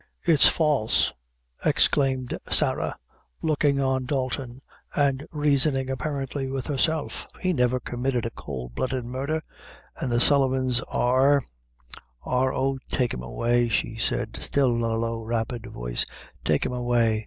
"It's false," exclaimed Sarah, looking on Dalton, and reasoning apparently with herself; "he never committed a could blooded murdher; an' the Sullivans are are oh take him away," she said, still in a low, rapid voice; "take him away!